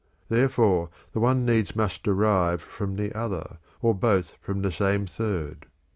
There fore the one needs must derive from the other or both from the same third.